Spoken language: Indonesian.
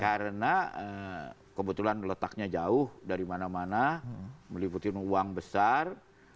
karena kebetulan letaknya jauh dari mana mana meliputi uang besar